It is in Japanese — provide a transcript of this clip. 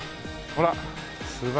ほら。